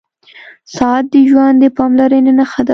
• ساعت د ژوند د پاملرنې نښه ده.